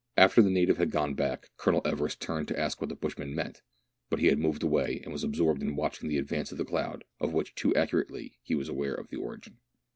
After the native had gone back. Colonel Everest turned to ask what the bushman meant ; but he had moved away, and was absorbed in watching the advance of the cloud, of which, too accurately, he was aware of the origin.